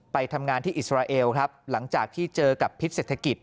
ไปทำงานที่อิสราเอลครับหลังจากที่เจอกับพิษเศรษฐกิจ